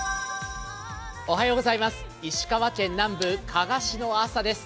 石川県南部、加賀市の朝です